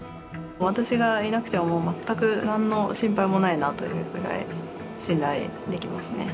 私がいなくても全く何の心配もないなというぐらい信頼できますね